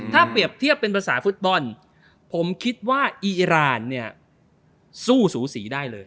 ถ้าเปรียบเทียบเป็นภาษาฟุตบอลผมคิดว่าอีรานเนี่ยสู้สูสีได้เลย